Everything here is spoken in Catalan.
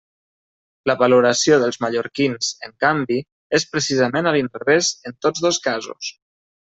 La valoració dels mallorquins, en canvi, és precisament a l'inrevés en tots dos casos.